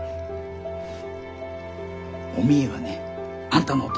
おみえはねあんたのお父